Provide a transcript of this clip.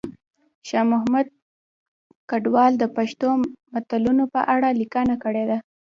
شاه محمود کډوال د پښتو متلونو په اړه لیکنه کړې ده